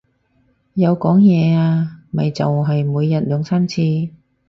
有講嘢啊，咪就係每日兩三次